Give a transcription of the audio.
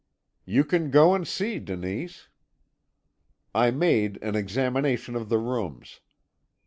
"'You can go and see, Denise.' "I made an examination of the rooms.